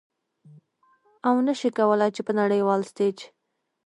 او نشي کولې چې په نړیوال ستیج